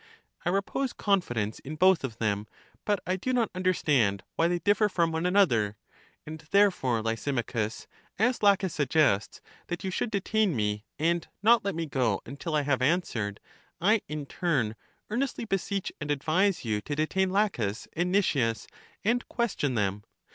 I repose confidence in both of them ; but I do not understand why they differ from one another. 98 LACHES And therefore, Lysimachus, as Laches suggests that you should detain me, and not let me go until I have answered, I in turn earnestly beseech and advise you to detain Laches and Nicias, and question them.